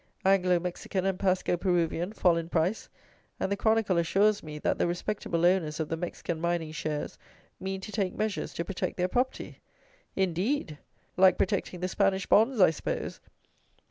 "Anglo Mexican and Pasco Peruvian" fall in price, and the Chronicle assures me that "the respectable owners of the Mexican Mining shares mean to take measures to protect their property." Indeed! Like protecting the Spanish Bonds, I suppose?